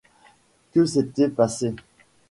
Que s'était passé?